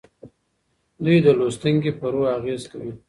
دوی د لوستونکي په روح اغیز کوي.